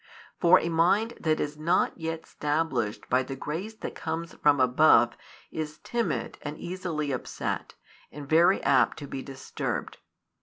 For a mind that is not yet stablished by the grace that comes from above is timid and easily upset, and very apt to be disturbed.